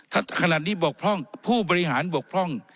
ถ้าขนาดนี้บกพร่องผู้บริหารบกพร่อง